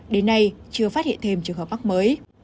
đến nay chưa phát hiện thêm trường hợp mắc mới